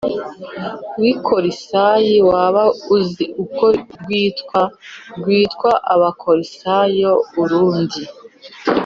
W i kolosayi waba uzi uko rwitwa rwitwa abakolosayi urundi